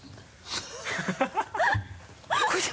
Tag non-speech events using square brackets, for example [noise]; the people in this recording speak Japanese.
ハハハ [laughs]